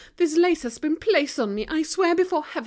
"This lace has been placed on me, I swear before Heaven."